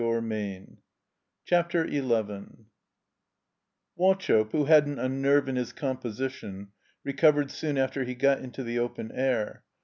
y r' CHAPTER XI WAUCHOPE, who hadn't a nerve in his compo sition, recovered soon after he got into the open air.